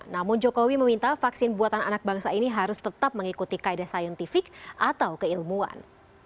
namun jokowi meminta vaksin buatan anak bangsa ini harus tetap mengikuti kaedah saintifik atau keilmuan